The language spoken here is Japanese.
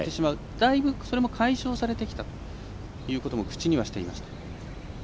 だいぶそれも解消されてきたと口にはしていました。